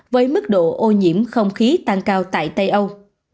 với mức độ ô nhiễm không khí tăng cao tại tây âu